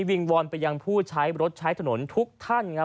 วิงวอนไปยังผู้ใช้รถใช้ถนนทุกท่านครับ